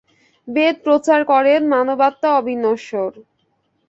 বেদ প্রচার করেন, মানবাত্মা অবিনশ্বর।